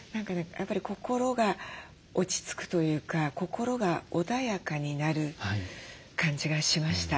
やっぱり心が落ち着くというか心が穏やかになる感じがしました。